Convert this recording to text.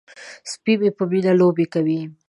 سپی مې په مینه لوبې کوي.